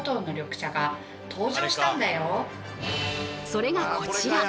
それがこちら。